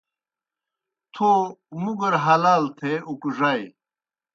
تھو مُگر حلال تھے اُکڙائے۔